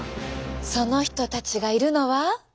その人たちがいるのは。